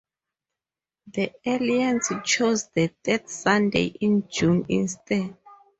The Alliance chose the third Sunday in June instead.